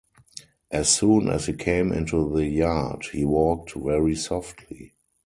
As soon as he came into the yard he walked very softly.